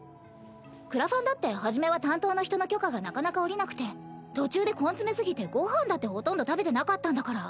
クラファンだって初めは担当の人の許可がなかなか下りなくて途中で根詰め過ぎてご飯だってほとんど食べてなかったんだから。